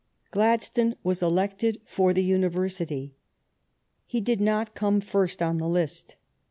Gladstone was elected for the University. He did not come first on the list.